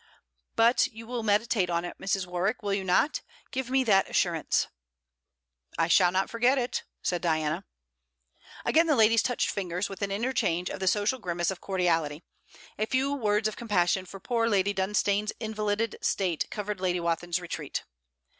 'But you will meditate on it, Mrs. Warwick, will you not? Give me that assurance!' 'I shall not forget it,' said Diana. Again the ladies touched fingers, with an interchange of the social grimace of cordiality. A few words of compassion for poor Lady Dunstane's invalided state covered Lady Wathin's retreat.